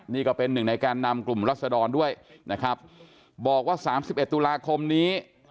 นี่ก็เป็นหนึ่งในแกนนำกลุ่มรัศดรด้วยนะครับบอกว่าสามสิบเอ็ดตุลาคมนี้